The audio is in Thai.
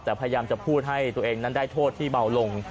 แต่พยายามจะพูดให้ตัวเองนั้นได้โทษที่เบาลง